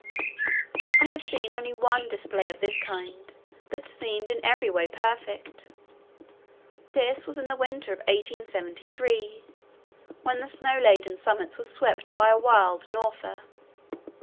I have seen only one display of this kind that seemed in every way perfect. This was in the winter of 1873, when the snow laden summits were swept by a wild "norther."